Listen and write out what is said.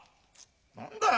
何だよ！